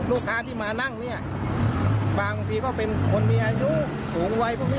ลูกค้าที่มานั่งเนี่ยบางทีก็เป็นคนมีอายุสูงวัยพวกนี้